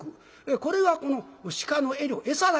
これがこの鹿の餌料餌代。